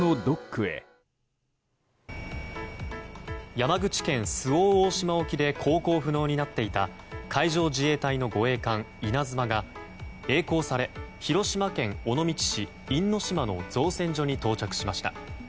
山口県周防大島沖で航行不能になっていた海上自衛隊の護衛艦「いなづま」が曳航され、広島県尾道市因島の造船所に到着しました。